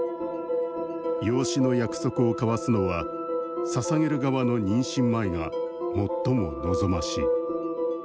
「養子の約束を交わすのはささげる側の妊娠前が最も望ましい」